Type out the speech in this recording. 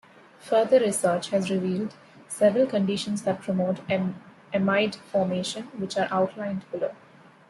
Further research has revealed several conditions that promote amide formation, which are outlined below.